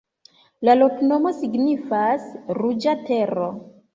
La loknomo signifas: ruĝa tero.